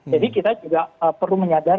jadi kita juga perlu menyaksikan